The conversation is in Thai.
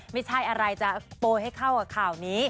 ไม่ใช่อะไรจะโปรยให้เข้ากับข่าวนี้